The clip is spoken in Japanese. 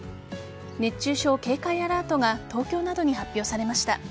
熱中症警戒アラートが東京などに発表されました。